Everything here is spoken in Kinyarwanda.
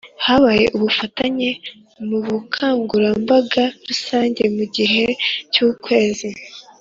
Habaye ubufatanye mu bukangurambaga rusange mu gihe cy Ukwezi